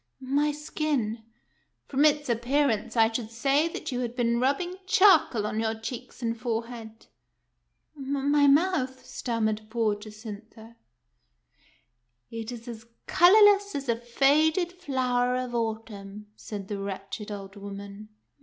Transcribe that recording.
" My skin "—" From its appearance, I should say that you had been rubbing charcoal on your cheeks and forehead." " My mouth "— stammered poor Jacintha. " Is as colorless as a faded flower of autumn," said the wretched old woman.